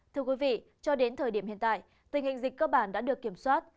thưa quý vị cho đến thời điểm hiện tại tình hình dịch cơ bản đã được kiểm soát